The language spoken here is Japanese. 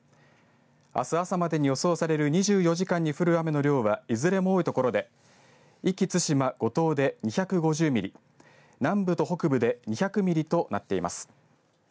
あす朝までに予想される２４時間に降る雨の量はいずれも多い所で壱岐・対馬、五島で２５０ミリ、南部と北部で２００ミリとなっています。